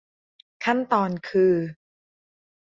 ขั้นตอนคือ